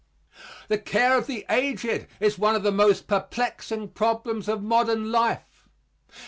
The care of the aged is one of the most perplexing problems of modern life.